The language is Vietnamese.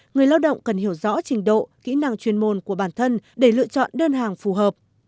người lao động cần hiểu rõ trình độ kỹ năng chuyên môn của bản thân để lựa chọn đơn hàng phù hợp